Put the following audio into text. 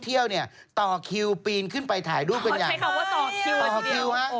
เท่าไหร่ครับอ้าวนี่เขาบอกว่าราวยกเยกด้วย